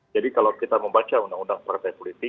jadi kalau kita membaca undang undang partai politik